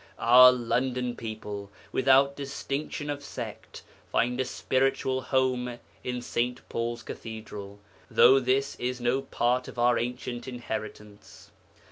Our London people, without distinction of sect, find a spiritual home in St. Paul's Cathedral, though this is no part of our ancient inheritance.